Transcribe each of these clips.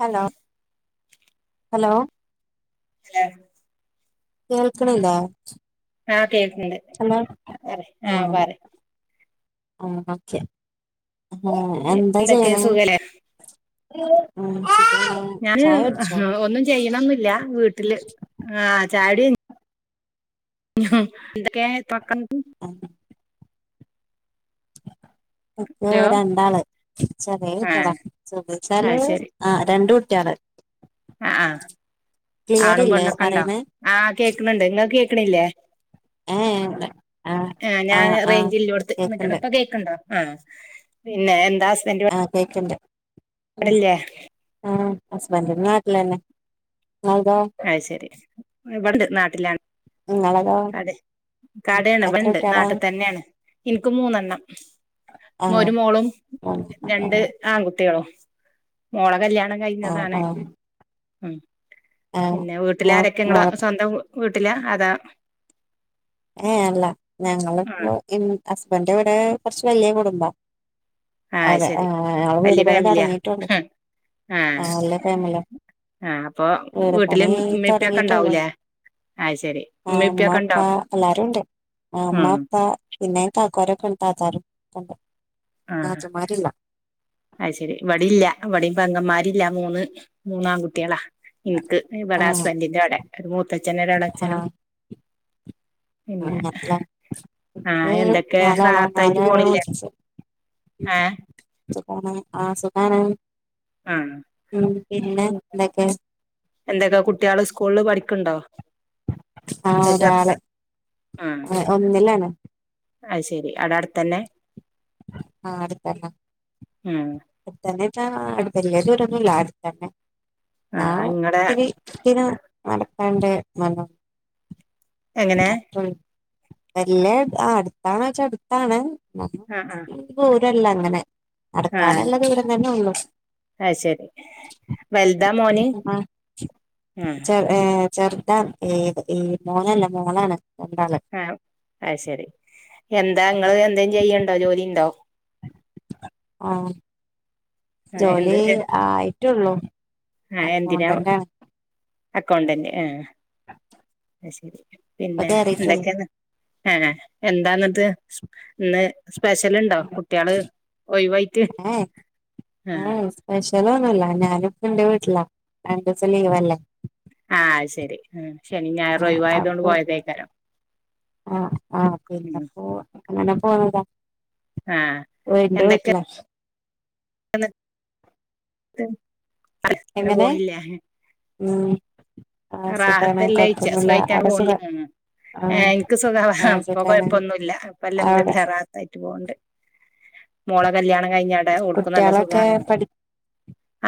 Hello hello hello കേൾക്ക്ണ് ഇല്ലേ ആഹ് കേക്ക്ണ്ട് ആഹ് പറി ആഹ് ഓക്കേ എന്താ എന്തൊക്കെ ചെയ്യണെ സുഖല്ലേ ആഹ് ഞാന് ഒന്നും ചെയ്യ്ണൊന്ന്ല്ല. വീട്ട്ല് ആഹ് ചായടി കൈ എന്തൊക്കെ ഇപക്കം ൻക്ക് ഹലോ രണ്ടാള് ചെറേ ആഹ് കുട്ട്യേളാ ചെർദ്ച്ചാല് ആ രണ്ട് കു അഹ് ആഹ് ക്ലിയർ ആണും ഇല്ലേ പെണ്ണെക്കെണ്ടോ പറയണേ ആഹ് കേക്ക്ണ് ണ്ട്. ഇങ്ങക്ക് കേക്ക്ണില്ലേ? ഏഹ് ആഹ് ഞാന് ആഹ് റെയ്ഞ്ചില്ലോട്ത്ത് നിക്കണ് കേക്കണ്ട് ഇപ്പൊ കേക്ക്ണ്ടോ ആ പിന്നെ എൻ ആഹ് കേക്ക്ണ്ട്. ഹസ് ഇവടല്ലേ ആഹ് ഹസ്ബന്റ് നാട്ടിലന്നെ. അയ് ശെരി ഇവടി നാട്ടിലാണ്. നിങ്ങളതോ കടേ കടേണ് എത്ര ഇവണ്ട് കുട്ടികളാ നാട്ട് തന്നേണ് ഇൻക്ക് മൂന്നെണ്ണം. ആഹ് ഒരു മോളും ആഹ് രണ്ട് ആങ്കു ട്ട്യേളും മോളെ കല്യാണം ആഹ് കഴിഞ്ഞതാണ് ആഹ് ഉം. ആഹ് പിന്നെ മോ വീട്ടിലാരൊക്കെ ങ്ങള് മോളെ സ്വന്തം വീട്ടിലാ. അതാ ഏഹ് അല്ല ആഹ് ഞങ്ങളിപ്പോ ഹസ്ബന്റ് ഇവടെ കൊർച്ച് വെല്യ കുടുംബാ. ആഹ് അതെ ശരി ആഹ് ങ്ങളെ വല്യ വീട്പണി ഫാമിലിയാ തൊട്ങ്ങിട്ടുള്ളു. ആഹ് വല്ല്യ ഫേമിലാ. ആഹ് അപ്പൊ വീട് വീട്ടില് പണി ഇമ്മീം ഇപ്പിയൊക്കെ തൊട്ങ്ങീട്ടൊള്ളു. ഇണ്ടാവൂലേ അത് ശരി ഇമ്മീം ആഹ് മ്മാ ഇപ്പിയൊക്കെ ഇണ്ടോ പ്പാ. എല്ലാരുണ്ട് മ്മ ഉം പ്പ പിന്നെ കാക്കാരൊക്കെ ഉം താത്താരും ഒക്കണ്ട്. നാത്തൂൻമാരില്ല. അയ് ശെരി ഇവടില്ല. ഇവടിം പെങ്ങമ്മാരില്ല മൂന്ന് മൂന്നാൺകുട്ട്യാളാ. ഇൻക്ക് ഇവടെ ആഹ് ഹസ്ബന്റിന്റോടെ ഒരു മൂത്തച്ഛനും ഒരു എളച്ഛനും. ആഹ് പിന്നെ ഞങ്ങക്ക് ആ എന്തൊക്കെ നാലാളാ റാത്താക്ക് നാല് പോണില്ലേ? വീട്ടില്. ഏഹ്. [unintelligible] ആഹ സുഖാണ് ആഹ് ഉം പിന്നെ എന്തൊക്കെ എന്തൊക്കെ കുട്ട്യാള് സ്കൂളില് പഠിക്ണ്ടോ? ആ ഒരാള് ഒന്നിലാണ്. അയ് ശെരി അവിടെ അടുത്തന്നെ. ആഹ് അടുത്തന്നെ ഉം അടുത്തന്ന് വെച്ചാ അടു വലൈ ദൂരന്നൊല്ലാ അടുതന്നെ. ആ അ ഇങ്ങളെ ഇത്തിരി ഇ [unintelligible] ത് നടക്കാണ്ട് ഇന്നാലും. എങ്ങനെ ഒപ്പ വല്യ അടുത്താണോച്ചാ അട്ത്താണ്. ആ ആ ദൂരം വില്ലാ അങ്ങനെ ആ നടക്കാന്ള്ള ദൂരം തന്നെ ഉള്ളു. അത് ശരി വലുതാ മോന് [unintelligible] ആ ഏ ചെറുതാ ഏ ഈ മോനല്ല മോളാണ്. രണ്ടാള് ആഹ് അശരി എന്താ നിങ്ങള് എന്തേലുംചെയ്ണ്ടോ ജോലി ഇണ്ടോ? ആഹ് ആ ജോലി എന്ത് ആയിട്ടേള്ളു ആ എന്തിനാ അകൗണ്ടന്റാണ്. അക്കൗണ്ടന്റ് ആഹ് അ ശരി ഇപ്പൊ പിന്നെ കേറിയിട്ടുള്ളൂ എന്തൊക്കെയന്ന് ആ എന്താന്ന്ട്ട് ഇന്ന്- സ്പെഷ്യൽ ഇണ്ടോ കുട്ടികള് ഒയിവായിറ്റ് - ആഹ് സ്പെഷ്യലൊന്നുല്ല ഞാന് ഇപ്പന്റെ വീട്ടില രണ്ടുസം ലീവല്ലേ. ആഹ ശരി ഉം ശനി ഞായറും ആഹ് ഒഴിവായതുകൊണ്ട് അപ്പൊ പോയതേക്കാരം ആഹ് അപ്പൊ പിന്നെ ഉം പോ. അങ്ങനെ പോന്നതാ ആ എന്റെ എന്തൊക്കെ വീട്ടില. [unintelligible] അങ്ങനെ എങ്ങനെ പോണില്ലേ ഉം. ആഹ് സുഖാണ് റാഹത്തല്ലേയ്ച്ച കൊഴപ്പൊന്നുല്ല സുഖായിറ്റ് ആണ്ട് അവിടെ സുഖ പോണിലേന്. ആഹ് എനിക്ക് സുഖ ആഹ് ഇപ്പൊ സുഖാണ് കൊഴപ്പൊന്നുല്ല ഇപ്പം അവിടെ അൽഹംദുലില്ലാ റാഹത്തായിട്ട് പോക്ണ്ട് മോളെ കല്ല്യാണം കഴിഞ്ഞാടെ ഒൾക്കും നല്ല കുട്ടികളൊക്കെ സുഖമാണ് പഠി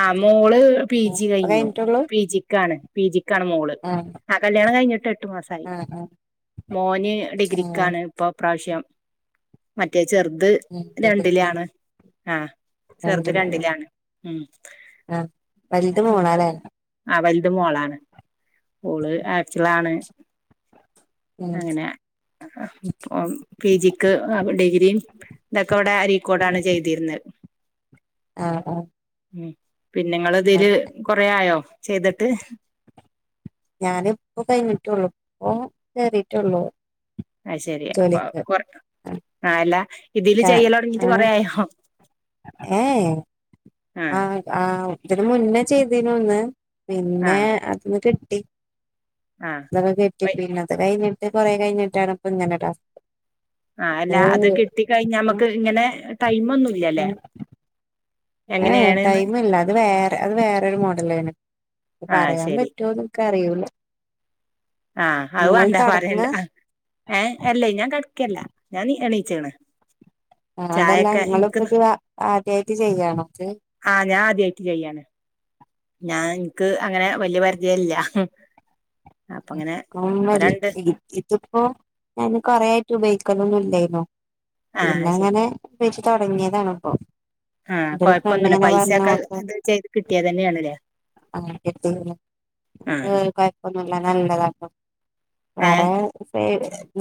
ആ മോള് പി ജി ഇപ്പൊ കഴിഞ്ഞു കഴിഞ്ഞിട്ടുള്ളൂ പിജിക്കാണ് പി ജി ക്കാണ് മോള് ആഹ് ആ കല്യാണം കഴിഞ്ഞ എട്ട് മാസം ആയി ആഹ് ആഹ് മോന് ആഹ് ഡിഗ്രിക്കാണ് ഇപ്പൊ ഇപ്രാവശ്യം മറ്റേ ചെറുത് ഉം രണ്ടിലാണ് ആഹ് ചെറുത് അൽഹംദുലില്ലാഹ് രണ്ടിലാണ് ഉം ആഹ് വലുത് ഇങ്ങള് മോളാല്ലേ ആ വല് ത് മോളാണ് ഓള് ഹാഫിളാണ് ഉം അങ്ങനെ പി ജിക്ക് ഡിഗ്രിയും വിടെ അരീക്കോടാണ് ആഹ് ചെയ്തിരുന്നത് ആഹ് ഉ പിന്നെ ഇങ്ങള് ആഹ് ഇതില് കൊറെ ആയോ ചെയ്തിട്ട് ഞാന് ഇപ്പം കഴിഞ്ഞിട്ടെള്ളു ഇപ്പൊ കയറിട്ടെള്ളൂ അയ് ശെരി അപ്പ കൊറ ആ അല്ല ഇതില് ചെയ്യല തുടങ്ങിട്ട് കൊറയായോ ഏഹ് ഏഹ് ആഹ് ആ ആ ഇതിന് മുന്നേ ചെയ്തിരന്നു ഒന്ന് പിന്നെ ആഹ് അതന്ന് കിട്ടി ആഹ് അതൊക്കെ കെട്ടി പിന്നെ അത് കഴിഞ്ഞ കുറെ കഴിഞ്ഞിട്ടാണ് ഇപ്പൊ ഇങ്ങനെ ടാസ്ക്ക് ആ അല്ല അത് കിട്ടി കഴിഞ്ഞ ഞമ്മക്ക് ഇങ്ങനെ ടൈമ് ഒന്നും ഇല്ലല്ലേ ഏഹ് എങ്ങനെയാണ്ന്ന് ടൈമ് ഇല്ല അത് വേറെ അത് വേറെരു മോഡലെയ്നു ആഹ് പറയാൻ ശരി പറ്റോ ഇൻക്ക് അറിയുല ആഹ് അത് വണ്ടാ പറയണ്ട ഏഹ് അല്ലേ ഞാൻ കടിക്കല്ല ഞാൻ എണീ ച്ചാണ് ആ അതെല്ലാ നിങ്ങളിപ്പം ഇത് ആദ്യായിട്ട് ചെയ്യണോ അത് ഞാ ആദ്യായിട്ട് ചെയ്യാണ് ഞാൻ എന്ക്ക് അങ്ങനെ വല്ല്യ പരിചയില്ല [unintelligible] ഇതിപ്പോ ഞാൻ കൊറേ ആയിട്ട് ഉപയോഗിക്കലൊന്നുംല്ല ആഹ് ശരി പിന്നങ്ങനെ ഉപയോഗിച്ച് തൊടങ്ങിയതാണിപ്പൊ ആഹ് കൊയപ്പൊന്നുല്ല പൈസയൊക്കെ ഇത് ചെയ്ത് കിട്ടിയ തന്നെയാണല്ലേ ആഹ് കിട്ടിയതല്ലേ എന്ക്ക് ആഹ് കൊയപ്പൊന്നുല്ല നല്ലതാട്ടോ ഏഹ് വേറെ സൈ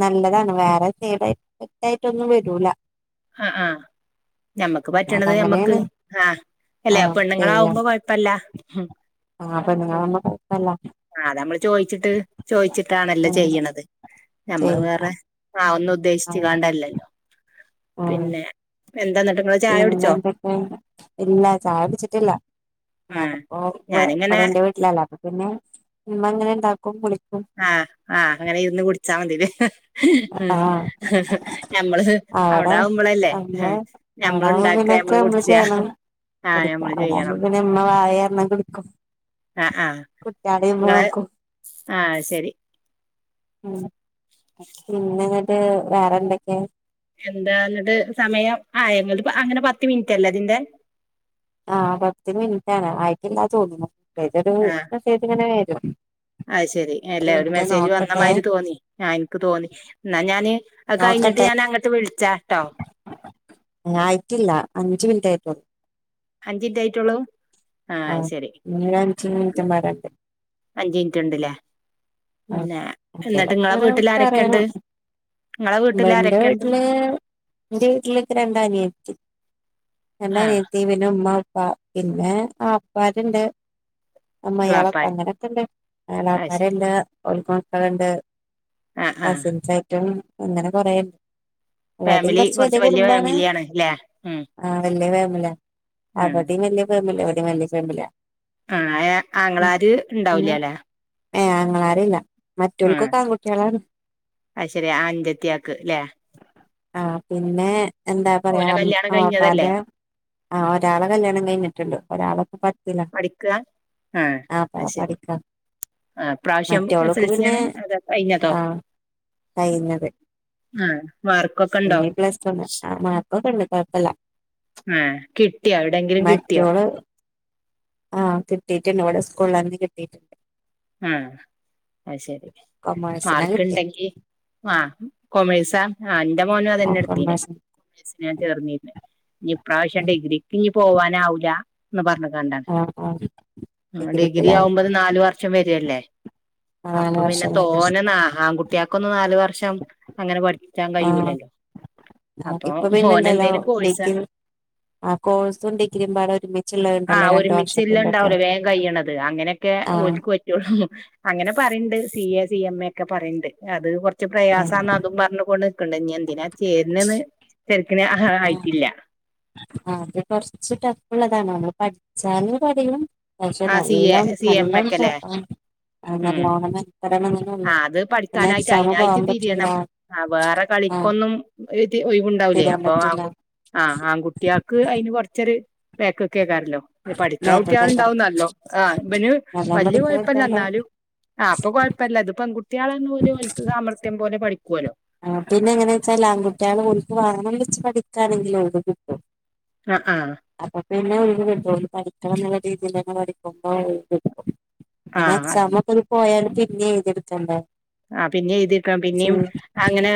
നല്ലതാണ് വേറെ സൈഡ് എഫക്ടായിട്ടൊന്നും വരൂലാ ആഹ് ആഹ് ഞമ്മക്ക് പറ്റണത് ഞമ്മക്ക് അതങ്ങനെയാണ് ആഹ് ആ അല്ലെ ചെയ്യാം പെണ്ണുങ്ങളാവുമ്പോ കൊഴപ്പല്ല ആഹ് പെണ്ണുങ്ങള് [unintelligible] ആഹ് നമ്മള് ചോയിച്ചിട്ട് ചോയിച്ചിട്ടാണല്ലോ ഉം ചെയ്യണത് നമ്മള് ചെയ്യ വേറെ ആഹ് ഒന്നും ഉദ്ദേശിച്ചു കാണ്ടല്ലല്ലോ ഉം പിന്നെ എന്താ എന്നിട്ട് നിങ്ങള് ചായ പിന്നെ കുടിച്ചോ [unintelligible] ഇല്ല ചായ കുടിച്ചിട്ടില്ല ആഹ് ഞാനിപ്പോ ഇവ ഇവിടെ ഞാനിങ്ങനെ എന്റെ വീട്ടിലാ ഇള്ളെ അപ്പ പിന്നെ ഇമ്മ എങ്ങനെണ്ടാക്കും വിളി ആഹ് ആഹ് അങ്ങനെ ഇരുന്ന് കുടിച്ചാ മതില്ലേ ആഹ് ഞമ്മള് അവിടെ അവിടാകുമ്പോളല്ലേ നമ്മള് ഞമ്മള് അവിടാവുമ്പോ ഉണ്ടാക്കി ക്കെ പിന്നൊക്കെ നമ്മള് കുടിച്ചിയാ ചെയ്യണം [unintelligible] അവിടാവുമ്പോ പിന്നെ ഇമ്മളായ കാരണം കുടിക്കും ആഹ് ആഹ് കുട്ടികളെ ഇമ്മ നിങ്ങളെ നോക്കും ആഹ് ശരി ഉം പിന്നങ്ങ്ട്ട് വേറെ എന്തൊക്കെയാ എന്താ എന്നിട്ട് സമയം ആഹ് എന്നിട്ട് അങ്ങനെ പത്ത് മിനിറ്റല്ലേ അതിന്റെ ആഹ് പത്ത് മിനിറ്റ് ആണ് ആയിട്ടില്ലാ തോന്നുണു [unintelligible] രസായിട്ടിങ്ങനെ വരോ ആഹ് ശെരി അല്ലേ ഒരു മെസ്സേജ് വന്നമാതിരി തോന്നി ആഹ് എന്ക്ക് തോന്നി എന്നാ ഞാന് അ കഴിഞ്ഞിട്ട് ഞാനങ്ങട്ട് വിളിച്ചാ അ ആയിട്ടില്ല. അഞ്ച മിനിറ്റ് ആയിട്ടോള്ളൂ. അഞ്ചിറ്റ ആയിട്ടള്ളൂ? ആഹ ആഹ് ശരി ഇനി ഒരു അഞ്ച് മിനിറ്റും വരണ്ട് അഞ്ച മിനിറ്റ്ണ്ടല്ലേ? ആഹ് പിന്നെ എന്നിട്ട് നിങ്ങളെ വീട്ടിൽാരൊക്കെയ ഉണ്ട്? വന്റെ വീട്ടില് എറെ വീട്ടിലേക്കെ രണ്ടനിയത്തി. ആഹ് രണ്ടനിയത്തി പിന്നെ ഉമ്മ ഉപ്പാ പിന്നെ ആ അപ്പരുണ്ട്. അമ്മയിലൊക്കെ എളാപ്പാര് ക്കങ്ങനക്കുണ്ട്. അത് ശരി എളാപരെല്ലാ ഓൽക്ക്മകളുണ്ട്. ആഹ് ആഹ് കസിൻസ് സായിറ്റും അങ്ങനെ കൊറേ എവിടയും ഫാമിലി കൊറച്ച വലിയ കുറച്ച് കുടുംബാണ്. ഫാമിലിയാണ് ല്ലേ ഉം ആഹ വല്ലേ ഫേമലിയാ. ഉം അവിടേം വല്യ ഫാമിലിയാ ഇവിടേം വല്ലിയ ഫാമിലിയാ. ആഹ ആങ്ങളാര് ഉണ്ടാവലല്ലേ? ഏ ആങ്ങളാര് ല്ല. ആഹ അ ശരി അഞ്ചത്തിയാക്ക് അല്ലേ? ആ പിന്നെ എന്താ പറയാ കല്യാണം കഴിഞ്ഞതല്ലേ ആപ്പാന്റെ ആ ഒരാളെ കല്യാണം കഴിഞ്ഞിട്ടുള്ളോ ഒരാൾക്ക് പഠിക്കാ ആഹ അ ശരി. പഠിക്കാ ആ ഇപ്രാവശ്യം മറ്റോൾക്ക് എസ്‌ൽസി ആണ് അത് കയിഞ്ഞത്തോ? കയിഞ്ഞത്. മാർക്കൊക്കെ ഉണ്ടോ ഇഞ്ഞ് പ്ലസ് ടു ആ മാർക്കോക്കെ ണ്ട് കുഴപ്പല്ല. ആഹ കിട്ടിയാ എവിടെയങ്കിലും കിട്ടിയോ? ആഹ് കിട്ടിയിട്ടുണ്ട് ഇവിടെ സ്കൂളിൽ കിട്ടിയിട്ടുണ്ട് ഉം അ ശരി. കൊമേഴ്സിനാ മാർക്ക് കിട്ടിയെ ഉണ്ടെങ്കി ആ കോമക്സാ? ആഹ് എന്റെ മോനും ആ അതന്നെ എടുത്തീന് കൊമേഴ്സിന് ചേർന്നില്ല. ഇനി ഇപ്പൊ ഇപ്രവശ്യം ഉം ഡിഗ്രിക്ക് പോവാനാവില്ല എന്ന് പറഞ്ഞ്ക്ക് ആ ആ [unintelligible] ഡിഗ്രി ഡിഗ്രിക്കില്ലേ ആവുമ്പത് നാല വർഷം വരല്ലേ? ആ നാല് അപ്പൊ പിന്നെ വർഷം വരും തോനെന്ന് ആൺകുട്ട്യേക്കൊന്നു. നാല് വർഷം അങ്ങനെ പഠ കറ്റാൻ ആ കഴൂലല്ലോ ആ, അപ്പൊ ഇപ്പൊ പിന്നെ മോനെ ഉണ്ടല്ലോ എന്തേലു കോഴിസാ ഡിഗ്രി ആ കോഴ്സും ഡിഗ്രിയും പാടെ ഒരുമിച്ചുള്ളത് ഉണ്ടല്ലോ ആഹ്. രണ്ട് ഒരുമിച്ച് ഹ്ഇല്ല വർഷത്തിന്റെ ഒക്കെ ഇണ്ടാവല്ലൊ വേഗം കഴ്യണത് അങ്ങനെയൊക്കെ ആ പറ്റൊള്ളു അങ്ങനെ പറിണ്ട് C A C M A ക്കെ പറയ്ണ്ട് അത് കൊ ച്ച് ആ പ്രയാസാന്ന് അതും പറഞ്ഞ് കൊണ്ട് നിക്ക്ണ്ട. ഇ ഞ്ഞ്‌ എന്തിനാ ചേര്ന്ന് ഉം അഹ് ആ ആയിട്ടില്ല അത് കൊറ്ച്ച് ടഫ്ള്ളതാാണ്. നമ്മള് പഠിച്ചാലും പടും ' ആ സി എ സി എം എക്കല്ലേ ആ ഉം നല്ലോണം മെനക്കെടണംന്നൊന്നുല്ല ആഹ് അത് പിന്നെ പഠിക്കാനായിട്ട് എക്സാമ് അയിതിനായിട്ട് പോവാൻ പറ്റൂല തിരിയണം ആ വേറെ ആഹ് കളിക്കൊന്നും ഒഴിവ് ഇണ്ടാവൂല്ലെ. തിരാൻ അപ്പൊ പറ്റൂല ആഹ് ആഹ് ആൺകുട്ട്യേൾക്ക് അയ്ന് കൊറച്ചൊരു വേക്ക്ക്ക് കേക്കാറില്ലോ. ഇഞ്ഞ് പഠിക്ക്ണ കുട്ട്യേള് ബാക്കിയൊക്കേക്കാരം. ഉണ്ടാവുന്നല്ലോ ആഹ് ഇ വന് നല്ലോം വല്യ പഠിക്ക്ണ കാഴപ്പല്ല കുട്ട്യാള് ഇന്നാലും ആഹ് ഇപ്പൊ കൊഴപ്പ പെൺു കുട്ടേകളെന്ന് പോലും അവക്ക് സാമർത്ഥം പോലെ പഠിക്കു ലേല്ലോ ആ ഹ് പിന്നെ എങ്ങനാ ച്ചാൽ ആൺകുട്ടികള് കുക്ക് വാങ്ങന വിളിച്ച് പഠിക്കുകയാണെങ്കില കിട്ടും ആഹ് ആഹ് അപ്പ പി ന്നെ ഒഴിവ്. കിട്ടു. ലരുട പഠി രതി പഠിക്കുമ്പോ പി ആഹ് അതന്നെ ചമക്കത് പോയാലും പിന്നെ എഴ്തി യ് ഇട്ക്കെണ്ടെതിത്തണ്ട ആ പിന്നെ എഴുതിക്കാം പിന്നെയും അങ്ങനെ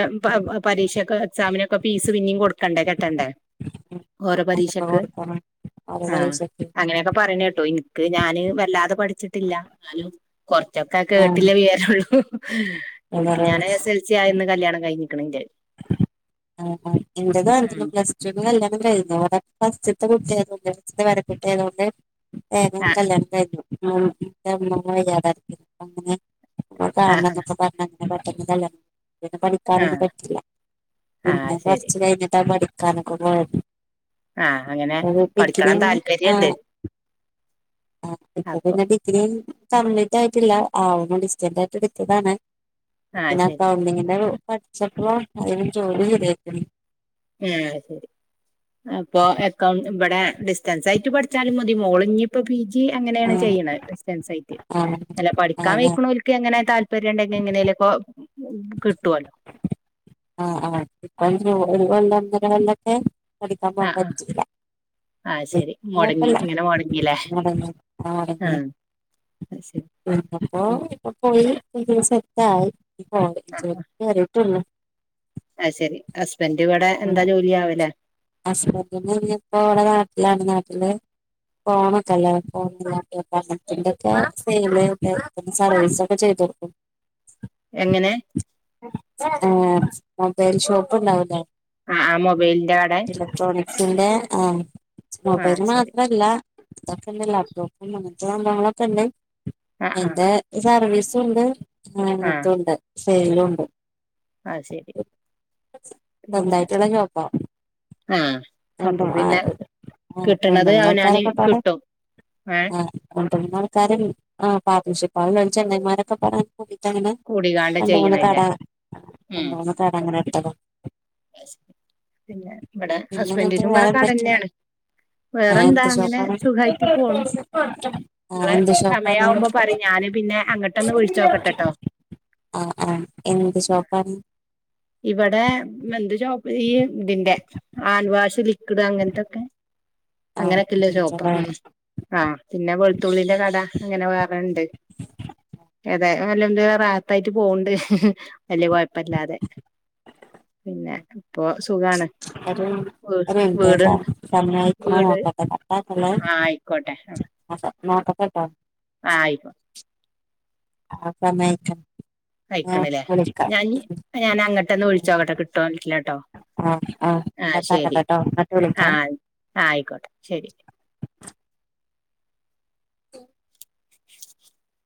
പരീക്ഷൊക്കെ എക്സാമിനൊക്കെ ഫീസ് പിന്നേും കൊടുക്ക കണ്ടെ കെട്ടെണ്ടേ ഓരെ അതൊക്കെ പരീക്ഷക്ക് കൊടുക്കണം ഓരോ ആഹ് പരീക്ഷക്ക് അങ്ങനെയൊക്കെ പറയിനേറട്ട്യ കേട്ടോ എനിക്ക് ഞാന് വല്ലാതെ പഠിച്ചിട്ടില്ല ഇ കാര്ഷ് ഒറ്റൊക്കെ കേട്ടില്ലേ ആഹ് വറരള്ളൂ എനിക്ക് ഞൻ എസ് എൽ സി ആയന്ന് കല്യാണം കഴിഞ്ഞിക്കണെന്റെ ആഹ് ഇന്തെയ്തും ന്റഅ ഉം [unintelligible] പ്ലസ് തുന് തയ്യാപത് ഫസ്റ്റ്ത്തെ കുട്ട്യാതോണ്ട് ഫസ്റ്റ് ത്തെ പേരക്കുട്ട്യായ്തോണ്ട് ഏതോരു ആഹ് കല്യാൺത്തിനായിരുന്നു. ഉം [unintelligible] [unintelligible] ആഹ് ആഹ് കാൺന്നൊക്കെ പറഞ്ഞ് [unintelligible] [unintelligible] പഠിക്കാനൊന്നു ആഹ് പറ്റില്ല പിന്നെ ആഹ് ശരി കൊറച്ച് കഴിഞ്ഞിട്ട് പഠിക്കാനൊക്കെ പോയത്. ആഹ് അങ്ങനെ പഠിക്കണം [unintelligible] താല്പര്യണ്ട് ആ പിന്നെ അപ്പൊ പിന്നെ ഡിഗ്രി കംപ്ലീറ്റ് ആയിട്ടില്ല. ആവ്പ ഡിസ്റ്റന്റ് ആയിട്ട് എടുത്തതാണ് ആഹ് പിന്നെ അ ശരി കൗണ്ടിങ്ങിന്റെ പഠിച്ചപ്പോ അയിന് ജോലി ശെരിയായിട്ട്ണ്ട്. ഉം ശരി. അപ്പൊക്ക ഇവിടെ ഡിസ്റ്റൻസ് ആയിട്ട് പഠിച്ചാലും മതി. മോളി ഇപ്പോ ജി അങ്ങനെയാണ് ആഹ് ചെയ്യണ ഡിസ്ൻസായിട്ട്. ആഹ് അല്ല പഠിക്കാൻ ആഹ് വെയ്ക്ക് ണോൽക്ക് എങ്ങനെ താല്പര്യം ഉണ്ടെങ്കിൽ എങ്ങനെ ഉ കിട്ടൂലോ. ആഹ ആ ഇപ്പ [unintelligible] ഒന്നരള്ളൊക്കെ പഠിക്കാൻ ആ പോകാൻ ആ പറ്റൂല. ആ ശരി അ മുടങ്ങി ഇങ്ങനെ മുടങ്ങിയില്ലേ ആ [unintelligible] [inaudible] അത് ശരി [unintelligible] പ്പോ പോയി. [unintelligible] [inaudible] ആ ശരി. അ ഹസ്ബന്റി ഇപ്പോ എവിടെ നാട്ടിലാണ്. നാട്ടില് ഫോണ ഒക്കെല്ലേ ഫോത്തിന്റെക്കെ സ സർവീസ് ഒക്കെ [unintelligible] എങ്ങനെ? ഏ മൊബൈൽ ഷോപ്പ് ഉണ്ടാവലേ? ആ ആ മൊബൈലിന്റെ കട ഇലക്ട്രോണിക്സിന്റെ ആ ആ മൊബൈൽ ശരി മാത്രല്ല? ഇതൊക്കെന്ന ലാപ്ടോപ്പും അങ്ങത്തെ സംഭങ്ങളൊക്കെണ്ട് ആ ആ അതിന്റെ സർവീസ് [unintelligible] ണ്ട്. [inaudible] സെയിലുണ്ട്. ആഹ ശരി. പിന്നെ സ്വന്തയിട്ടുള്ള ഷോപ്പാ. ആ അപ്പൊ രണ്ടും ആ പിന്നെ കിട്ടണത് [unintelligible] അവനാന് താരക്കെട്ടാട്ടെ. കിട്ടും ഏ ആഹ് [unintelligible] ആ പാർട്ണർഷിപ്പ് [unintelligible] [unintelligible] അങ്ങനെ കൂടികാണ്ട് രണ്ട് മൂന്ന് കട ചെയ്യണില്ലേ ഉം രണ്ട് മൂന്ന് കട അങ്ങനെ ഇട്ടത. പിന്നെ ഇവടെ പിന്നെ എന്നിട്ട് ഹസ്ബൻഡിനും ഇവടെ വേറെ എന്തൊക്കെയാ കടന്നെയാണ്. ആ വേറെന്താ എന്ത് അങ്ങനെ ഷോപ്പാണ് സുഖായിട്ട് പോണു, ആ നിങ്ങളെ എന്ത് ഷോപ്പാണ് സമയവുമ്പോ പറയ് ഞാ [unintelligible] പിന്നെ അങ്ങോട്ടന്നെ വിളിച്ചോക്കട്ടെട്ടോ. ആഹ് ആഹ് എന്ത് ഷോപ്പാണ്. മ് എന്ത് ഷോപ്പ് ഈ ഇതിന്റെ ഹാൻഡ് വാഷ്, ലിക്വിഡ് അങ്ങനത്തൊക്കെ ആ അങ്ങനൊക്കെല്ലേ ഒര് ഷോപ്പാ മ് ആ പിന്നെ വെ ത്തുള്ളിന്റെ കട അങ്ങനെ വേറെണ്ട് ഏതാ നല്ല എന്ത് റത്തായിട്ട് പോവണ്ട്, വല്ലിയ കൊഴപ്പല്ലാതെ. പിന്നെ ഇപ്പോ സുഖാണ്. [unintelligible] വീ വീട് നോക്കട്ടെ വീട് കട്ടാക്കല്ലേ, ആ ആയിക്കോട്ടെ [unintelligible] നടക്കട്ടെ. ആഹ് ആയിക്കോ അപ്പം [unintelligible] കഴിക്കണില്ലേ ഞാന് ഞാൻ അങ്ങോട്ടന്നെ വിളിച്ചോക്കട്ടെ കിട്ടോനില്ലാട്ടോ. ആഹ് ആഹ് കട്ടാക്കട്ടെട്ടോ എന്നിട്ട് വിളിക്കാ. ആഹ് ആയിക്കോട്ടെ ശെരി.